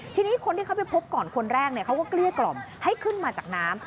ทีนี้คนที่เขาไปพบก่อนคนแรกเขาก็เกลี้ยกล่อมให้ขึ้นมาจากน้ำ